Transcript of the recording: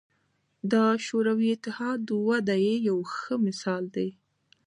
د شوروي اتحاد وده یې یو ښه مثال دی.